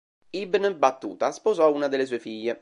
Ibn Battuta sposò una delle sue figlie.